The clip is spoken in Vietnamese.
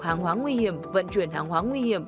hàng hóa nguy hiểm vận chuyển hàng hóa nguy hiểm